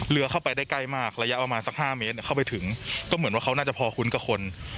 เรือเข้าไปได้ใกล้มากระยะประมาณสัก๕เมตรเข้าไปถึงก็เหมือนว่าเขาน่าจะพอคุ้นกับคน